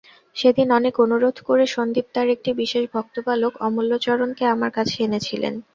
সেদিন অনেক অনুরোধ করে সন্দীপ তাঁর একটি বিশেষ ভক্ত বালক অমূল্যচরণকে আমার কাছে এনেছিলেন।